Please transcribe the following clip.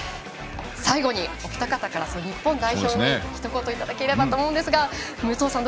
最後にお二方から日本代表に一言いただければと思うんですが武藤さん